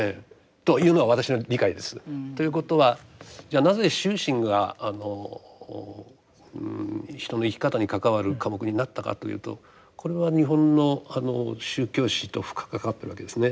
というのが今私の理解です。ということはじゃあなぜ修身が人の生き方に関わる科目になったかというとこれは日本の宗教史と深く関わってるわけですね。